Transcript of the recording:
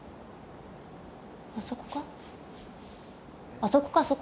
あそこか？